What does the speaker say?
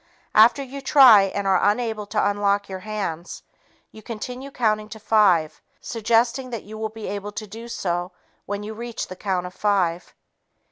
After you try and are unable to unlock your hands, you continue counting to five, suggesting that you will be able to do so when you reach the count of five.